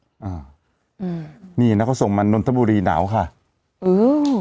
อืมนี่นะเขาส่งมานนทบุรีหนาวค่ะอืม